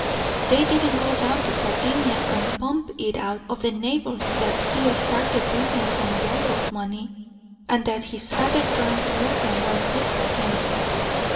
They didn't go down to Sardinia and pump it out of the neighbors that he started business on borrowed money, and that his father drank more than was good for him.